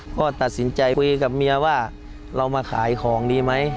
ก็ตัดสินใจคุยกับเมียว่าเรามาขายของดีไหม